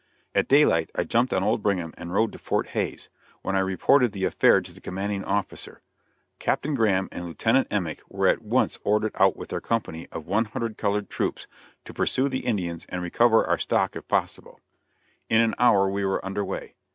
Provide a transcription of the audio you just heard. At daylight I jumped on old Brigham and rode to Fort Hays, when I reported the affair to the commanding officer; Captain Graham and Lieutenant Emmick were at once ordered out with their company of one hundred colored troops, to pursue the Indians and recover our stock if possible. In an hour we were under way.